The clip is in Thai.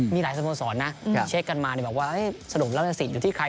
มีหลายสมสรรค์นะเช็คกันมาเนี่ยบอกว่าสนุกแล้วสิอยู่ที่ใคร